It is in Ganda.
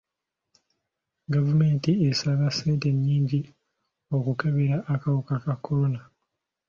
Gavumenti esaba ssente nnyingi okukebera akawuka ka kolona.